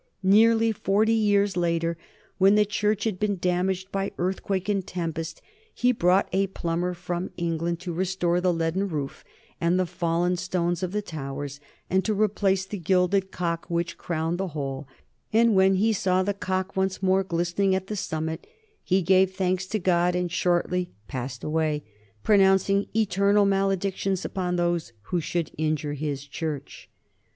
Nearly forty years later, when the church had been damaged by earth quake and tempest, he brought a plumber from England to restore the leaden roof and the fallen stones of the towers and to replace the gilded cock which crowned the whole ; and when he saw the cock once more glisten ing at the summit, he gave thanks to God and shortly passed away, pronouncing eternal maledictions upon those who should injure his church.